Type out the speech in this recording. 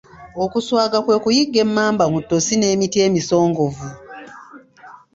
Okuswaga kwe kuyigga emmamba mu ttosi n’emiti emisongovu.